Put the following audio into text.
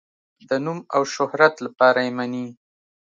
د نوم او شهرت لپاره یې مني.